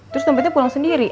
terus dompetnya pulang sendiri